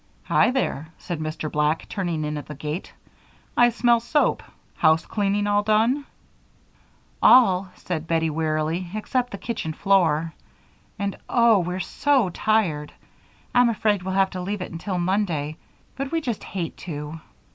"Hi there!" said Mr. Black, turning in at the gate. "I smell soap. Housecleaning all done?" "All," said Bettie, wearily, "except the kitchen floor, and, oh! we're so tired. I'm afraid we'll have to leave it until Monday, but we just hate to."